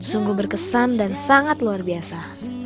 sungguh berkesan dan sangat luar biasa